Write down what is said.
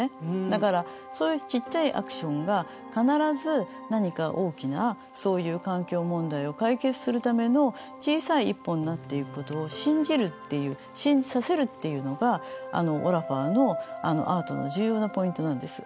だからそういうちっちゃいアクションが必ず何か大きなそういう環境問題を解決するための小さい一歩になっていくことを「信じる」っていう「信じさせる」っていうのがオラファーのあのアートの重要なポイントなんです。